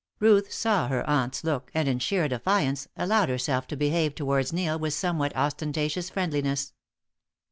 Ruth saw her aunt's look, and, in sheer defiance, allowed herself to behave towards Neil with a somewhat ostentatious friendliness.